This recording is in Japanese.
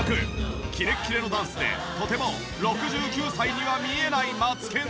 キレッキレのダンスでとても６９歳には見えないマツケンさん。